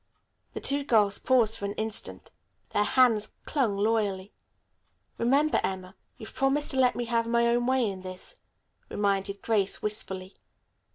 The two girls paused for an instant. Their hands clung loyally. "Remember, Emma, you've promised to let me have my own way in this," reminded Grace wistfully.